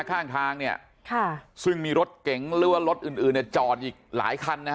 ข้างทางเนี่ยค่ะซึ่งมีรถเก๋งหรือว่ารถอื่นอื่นเนี่ยจอดอีกหลายคันนะฮะ